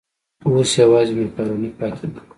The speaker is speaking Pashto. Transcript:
اوس یوازې مېکاروني پاتې ده.